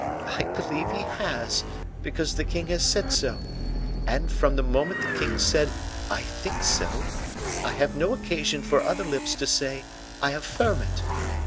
I believe he has, because the king has said so; and, from the moment the king said, 'I think so,' I have no occasion for other lips to say, 'I affirm it.